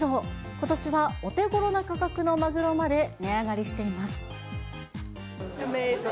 ことしはお手ごろな価格のマグロまで値上がりしています。